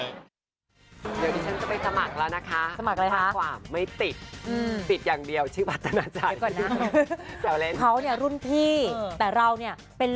ยังต้องกว่าได้ไหมครับ